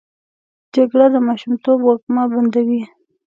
جګړه د ماشومتوب وږمه بندوي